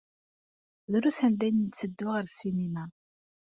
Drus anda ay netteddu ɣer ssinima.